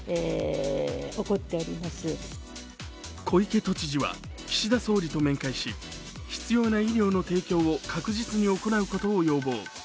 小池都知事は岸田総理と面会し必要な医療の提供を確実に行うことを要望。